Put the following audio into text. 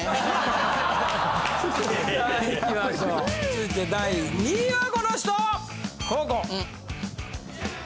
続いて第２位はこの人！